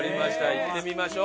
行ってみましょう。